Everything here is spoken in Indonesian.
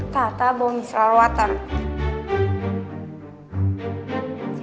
tata bau misal wataknya